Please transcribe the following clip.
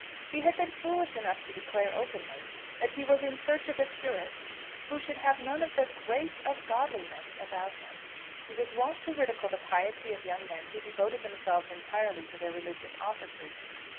He had been foolish enough to declare openly that he was in search of a curate who should have none of the "grace of godliness" about him. He was wont to ridicule the piety of young men who devoted themselves entirely to their religious offices.